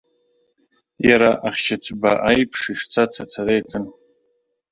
Иара, ахьшыцба аиԥш, ишцац ацара иаҿын.